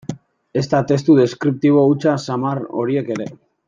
Ezta testu deskriptibo hutsal samar horiek ere.